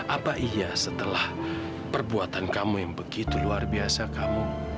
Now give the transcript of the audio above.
apa iya setelah perbuatan kamu yang begitu luar biasa kamu